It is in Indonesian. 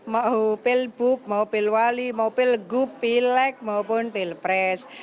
mau pil buk mau pil wali mau pil gup pil lek maupun pil pres